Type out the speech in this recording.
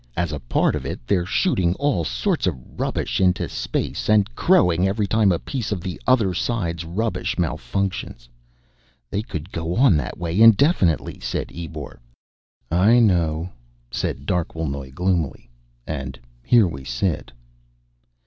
As a part of it, they're shooting all sorts of rubbish into space and crowing every time a piece of the other side's rubbish malfunctions." "They could go on that way indefinitely," said Ebor. "I know," said Darquelnoy gloomily. "And here we sit."